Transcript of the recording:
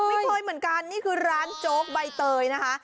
ไม่เคยเหมือนกันนี่คือร้านโจ๊กใบเตยนะคะ